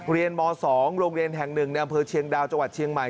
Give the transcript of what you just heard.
เรียนม๒โรงเรียนแห่ง๑ในอำเภอเชียงดาวจังหวัดเชียงใหม่